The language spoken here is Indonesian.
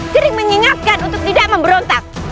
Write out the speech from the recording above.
mengingatkan untuk tidak memberontak